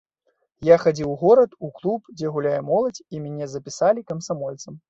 Я хадзіў у горад, у клуб, дзе гуляе моладзь, і мяне запісалі камсамольцам.